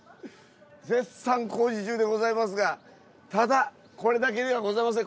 絶賛工事中でございますがただこれだけではございません。